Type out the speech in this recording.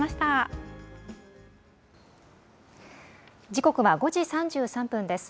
時刻は５時３３分です。